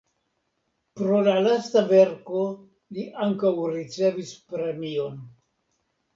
Pro la lasta verko li ankaŭ ricevis premion.